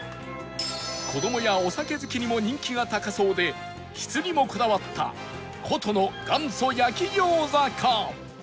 子供やお酒好きにも人気が高そうで質にもこだわった古都の元祖焼餃子か？